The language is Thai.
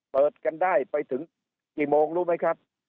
เปิดกันได้ไปถึงกี่โมงรู้ไหมครับ